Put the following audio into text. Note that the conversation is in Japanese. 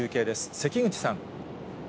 関口さん。